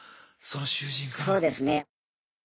そうですね。